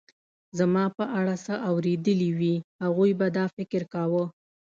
زما په اړه څه اورېدلي وي، هغوی به دا فکر کاوه.